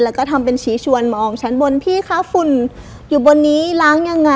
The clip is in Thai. แล้วก็ทำเป็นชี้ชวนมองชั้นบนพี่คะฝุ่นอยู่บนนี้ล้างยังไง